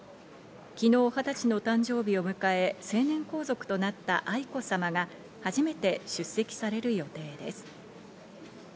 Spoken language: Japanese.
昨日、二十歳の誕生日を迎え、成年皇族となった愛子さまが初めて出席される予定です。